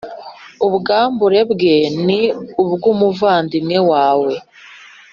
Ubwambure bwe ni ubw umuvandimwe wawe